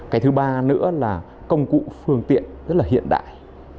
cái thứ ba nữa là công cụ phương tiện rất là hiện đại